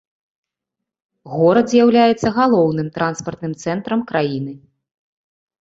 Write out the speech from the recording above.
Горад з'яўляецца галоўным транспартным цэнтрам краіны.